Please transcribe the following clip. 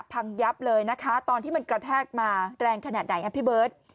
พังยับเลยนะคะตอนที่มันกระแทกมาแรงขนาดไหนครับพี่เบิร์ต